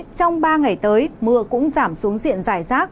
trong ba ngày tới mưa cũng giảm xuống diện dài rác